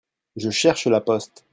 Je cherche la poste.